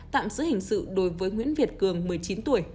tạm giữ hình sự đối với nguyễn việt cường một mươi chín tuổi